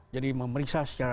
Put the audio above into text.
jadi memeriksa secara